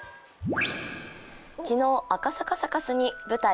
昨日、赤坂サカスに舞台